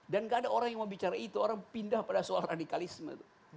dan nggak ada orang yang mau bicara itu orang pindah pada soal radikalisme